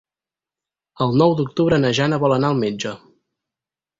El nou d'octubre na Jana vol anar al metge.